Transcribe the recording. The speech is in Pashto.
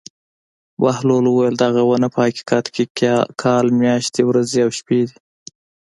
بهلول وویل: دغه ونه په حقیقت کې کال میاشتې ورځې او شپې دي.